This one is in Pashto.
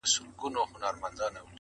تاته سلام په دواړو لاسو كوم,